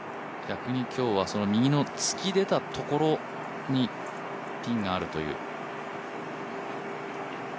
逆に今日は右の突き出たところにピンがあるという。